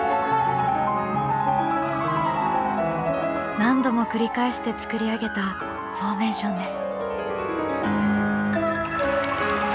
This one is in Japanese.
何度も繰り返して作り上げたフォーメーションです。